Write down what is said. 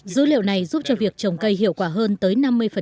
dữ liệu này giúp cho việc trồng cây hiệu quả hơn tới năm mươi